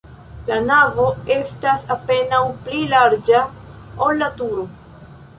La navo estas apenaŭ pli larĝa, ol la turo.